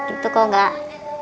itu kok enggak